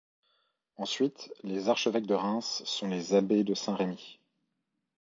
Ensuite les archevêques de Reims sont les abbés de Saint-Remi.